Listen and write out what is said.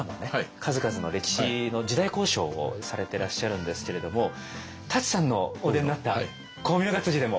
数々の歴史の時代考証をされてらっしゃるんですけれども舘さんのお出になった「功名が」でも。